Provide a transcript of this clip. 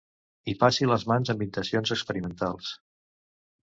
Hi passi les mans amb intencions experimentals.